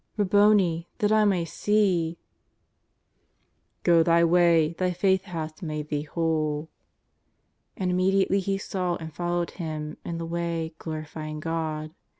^^ Rabboni, that I may see !"*^ Go thy way, thy faith hath made thee whole." And immediately he saw and followed Him in the way glorifying God.